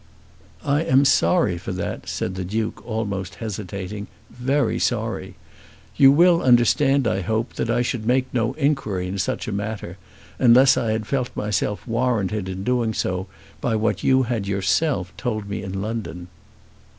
"I am sorry for that," said the Duke, almost hesitating; "very sorry. You will understand, I hope, that I should make no inquiry in such a matter, unless I had felt myself warranted in doing so by what you had yourself told me in London."